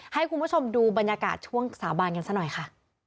ให้คุณผู้ชมดูบรรยากาศช่วงสาบานกันซะหน่อยค่ะ